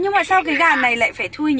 nhưng mà sao cái gà này lại phải thui nhỉ